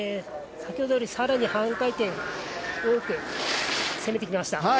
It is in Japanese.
先ほどより更に半回転多く攻めてきました。